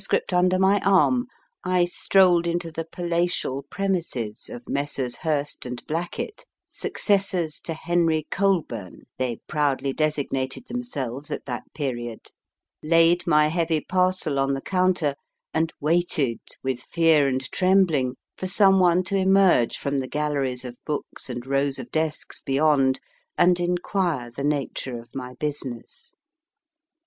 under my arm, I strolled into the palatial premises of Messrs. Hurst & Blackett ( successors to Henry Colburn they proudly designated themselves at that period), laid my heavy parcel on the counter, and waited, with fear and trembling, for some one to emerge from the galleries of books and rows of desks beyond, and inquire the nature of my business.